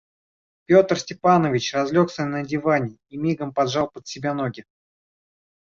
Петр Степанович разлегся на диване и мигом поджал под себя ноги.